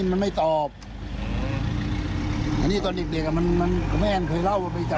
ยอมรับเนี่ยขอโทษแต่ว่าที่ผิดไหม